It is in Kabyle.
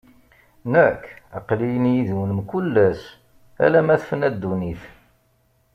Nekk, aql-i yid-wen mkul ass, alamma tefna ddunit.